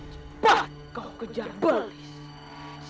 cepat kau kejar belis